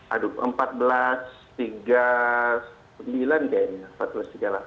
aduh seribu empat ratus tiga puluh sembilan kayaknya